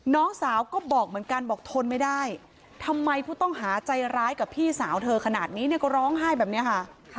น้องสาวก็บอกเหมือนกันบอกทนไม่ได้ทำไมผู้ต้องหาใจร้ายกับพี่สาวเธอขนาดนี้เนี่ยก็ร้องไห้แบบนี้ค่ะ